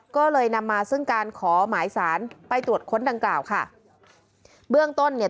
ก็เลยนำมาซึ่งการขอหมายสารไปตรวจค้นดังกล่าวค่ะเบื้องต้นเนี่ย